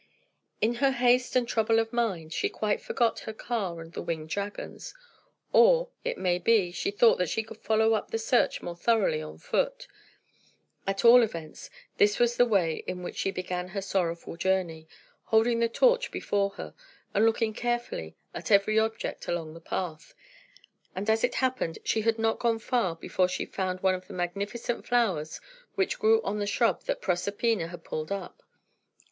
In her haste and trouble of mind, she quite forgot her car and the winged dragons; or, it may be, she thought that she could follow up the search more thoroughly on foot. At all events, this was the way in which she began her sorrowful journey, holding her torch before her, and looking carefully at every object along the path. And as it happened, she had not gone far before she found one of the magnificent flowers which grew on the shrub that Proserpina had pulled up.